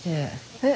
えっ？